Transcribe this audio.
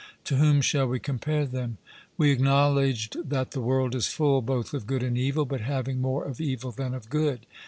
To whom shall we compare them? We acknowledged that the world is full both of good and evil, but having more of evil than of good.